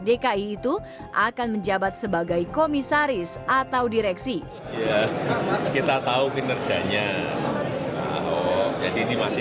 dki itu akan menjabat sebagai komisaris atau direksi kita tahu kinerjanya jadi ini masih